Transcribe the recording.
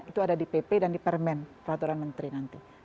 itu ada di pp dan di permen peraturan menteri nanti